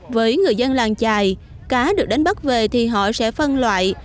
với người dân làng trài cá được đánh bắt về thì họ sẽ phân loại